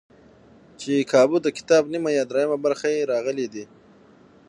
چې کابو دکتاب نیمه یا درېیمه برخه یې راغلي دي.